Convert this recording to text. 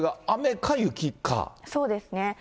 そうですね。